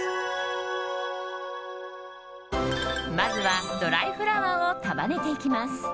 まずはドライフラワーを束ねていきます。